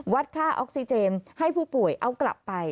ค่าออกซิเจนให้ผู้ป่วยเอากลับไป